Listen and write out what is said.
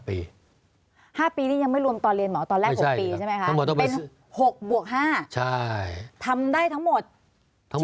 ๕ปีนี้ยังไม่รวมต่อเรียนเหรอตอนแรก๖ปีใช่ไหมคะ